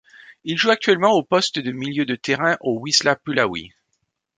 Il joue actuellement au poste de milieu de terrain au Wisła Puławy.